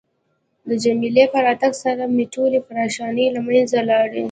د جميله په راتګ سره مې ټولې پریشانۍ له منځه لاړې.